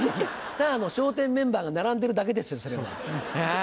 ただの笑点メンバーが並んでるだけですよそれは。